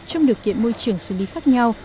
trong điều kiện môi trường xử lý khác nhau